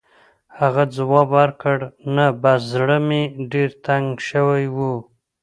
هغه ځواب ورکړ: «نه، بس زړه مې ډېر تنګ شوی و.